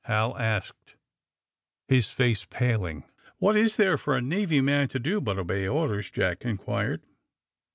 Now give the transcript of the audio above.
*' Hal asked, his face paling. ^^What is there for a Navy man to do but obey orders ?^' Jack inquired.